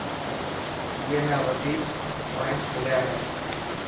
اي نا وڌيڪ پووانٽس مليا هي.